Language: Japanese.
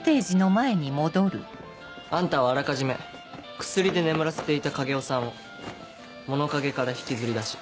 あんたはあらかじめ薬で眠らせていた影尾さんを物陰から引きずり出し。